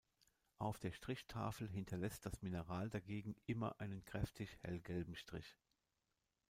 Auf der Strichtafel hinterlässt das Mineral dagegen immer einen kräftig hellgelben Strich.